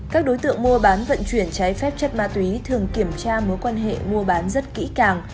các đối tượng mua bán vận chuyển trái phép chất ma túy thường kiểm tra mối quan hệ mua bán rất kỹ càng